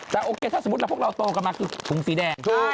แต่โอเคถ้าสมมุติพวกเราโตกันมาคือถุงสีแดง